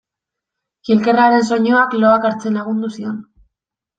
Kilkerraren soinuak loak hartzen lagundu zion.